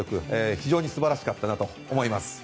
非常に素晴らしかったなと思います。